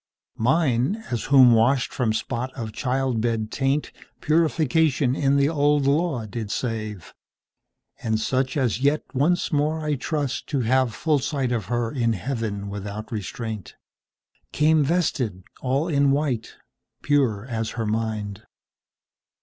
Mine, as whom washed from spot of childbed taintPurification in the Old Law did save, And such as yet once more I trust to haveFull sight of her in Heaven without restraint, Came vested all in white, pure as her mind.